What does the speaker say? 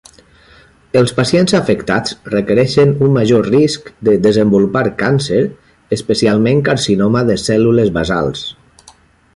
Els pacients afectats refereixen un major risc de desenvolupar càncer, especialment carcinoma de cèl·lules basals.